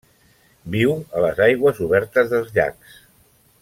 Viu a les aigües obertes dels llacs.